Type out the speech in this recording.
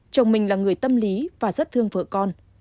chồng mình là người tâm lý và rất thương vợ con